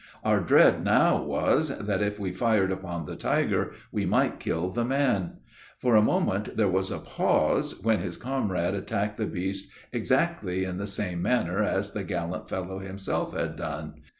Our dread now was, that if we fired upon the tiger, we might kill the man: for a moment there was a pause, when his comrade attacked the beast exactly in the same manner as the gallant fellow himself had done.